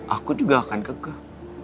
aku juga akan kekeh